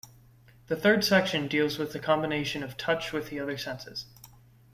The third section deals with the combination of touch with the other senses.